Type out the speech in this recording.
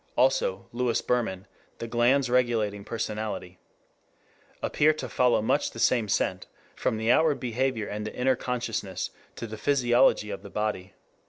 Cf_. also Louis Berman: The Glands Regulating Personality.] appear to follow much the same scent, from the outward behavior and the inner consciousness to the physiology of the body.